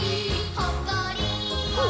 ほっこり。